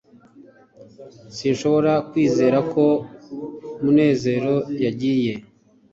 sinshobora kwizera ko munezero yagiye